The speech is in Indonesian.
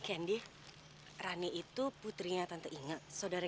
indonesia iya kaya lagi ya tadi ya liat tante are butirnya gitu kek trucu min pelitut cukup banyak